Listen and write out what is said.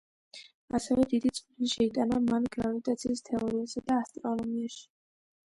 ასევე დიდი წვლილი შეიტანა მან გრავიტაციის თეორიასა და ასტრონომიაში.